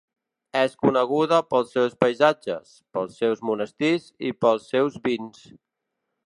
És coneguda pels seus paisatges, pels seus monestirs i pels seus vins.